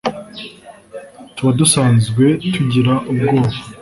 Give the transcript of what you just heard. tuba dusanzwe tugira ubwoba